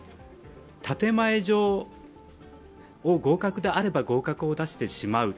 建て前上合格であれば合格を出してしまう。